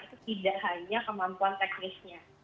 itu tidak hanya kemampuan teknisnya